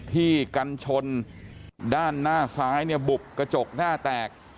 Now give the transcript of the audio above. ที่กันชนด้านหน้าซ้ายเนี่ยบุบกระจกหน้าแตก